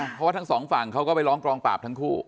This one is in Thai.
เพราะว่าทั้งสองฝั่งเขาก็ไปร้องกองปราบทั้งคู่